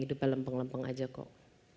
hidupnya lempeng lempeng aja kok